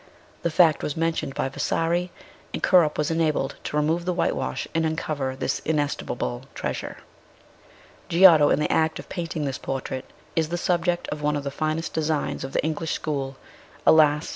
The fact was mentioned by Vasari, and Kirkup was enabled to remove the whitewash and uncover this inestimable treasure. Giotto, in the act of painting this portrait, is the subject of one of the finest designs of the English school alas !